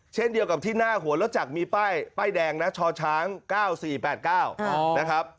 เช่นเดียวกับที่หน้าหัวรถจักรมีป้ายแดงนะชช้าง๙๔๘๙นะครับ